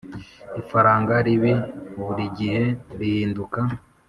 ifaranga ribi burigihe rihinduka